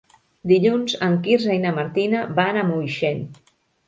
Dilluns en Quirze i na Martina van a Moixent.